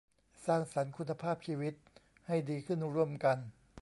สร้างสรรค์คุณภาพชีวิตให้ดีขึ้นร่วมกัน